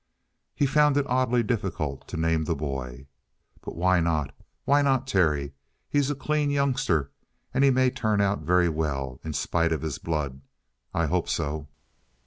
He found it oddly difficult to name the boy. "But why not? Why not Terry? He's a clean youngster, and he may turn out very well in spite of his blood. I hope so.